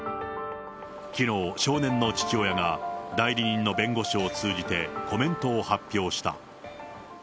きのう、少年の父親が、代理人の弁護士を通じてコメントを発表した。